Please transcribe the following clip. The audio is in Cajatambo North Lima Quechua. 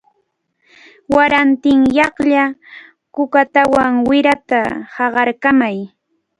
Warantinyaqlla kukatawan wirata haqarkamay.